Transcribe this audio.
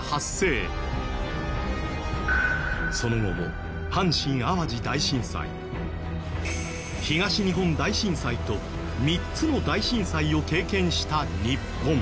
その後も阪神・淡路大震災東日本大震災と３つの大震災を経験した日本。